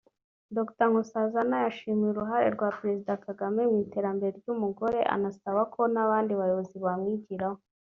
Dr Nkosazana yashimye uruhare rwa Perezida Kagame mu iterambere ry’umugore anasaba ko n’abandi bayobozi bamwigiraho